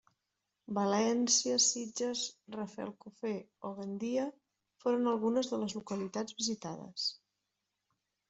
València, Sitges, Rafelcofer o Gandia foren algunes de les localitats visitades.